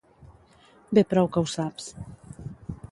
Bé prou que ho saps.